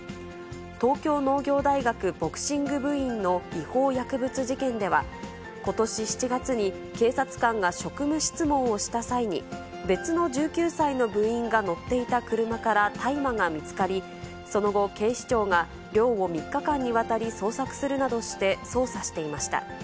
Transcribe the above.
東京農業大学ボクシング部員の違法薬物事件では、ことし７月に、警察官が職務質問をした際に、別の１９歳の部員が乗っていた車から大麻が見つかり、その後、警視庁が寮を３日間にわたり捜索するなどして、捜査していました。